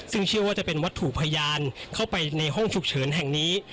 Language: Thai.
ซึ่งเชื่อว่าจะเป็นวัตถุพยานเข้าไปในห้องฉุกเฉินแห่งนี้